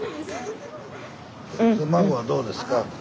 孫はどうですか？